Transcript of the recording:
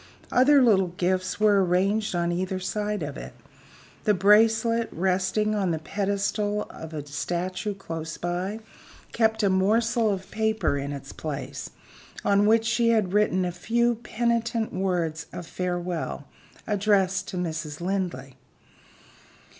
Other little gifts were arranged on either side of it. The bracelet, resting on the pedestal of a statue close by, kept a morsel of paper in its place on which she had written a few penitent words of farewell addressed to Mrs. Linley.